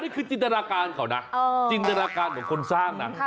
คือจินตนาการเขานะจินตนาการของคนสร้างนะ